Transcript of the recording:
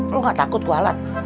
lo nggak takut kualat